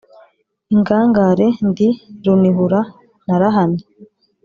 Ingangare ndi runihura narahamye.